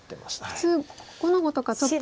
普通５の五とかちょっと。